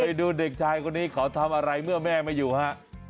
ไปดูเด็กชายคนนี้เขาทำอะไรเมื่อแม่ไม่อยู่ฮะ